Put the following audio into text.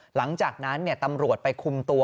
หลังจากนั้นตำรวจไปคุมตัว